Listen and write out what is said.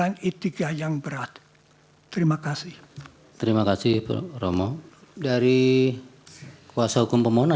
suatu pelanggaran etika yang berat